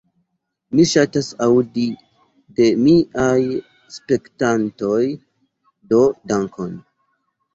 Mi ŝatas aŭdi de miaj spektantoj. Do dankon.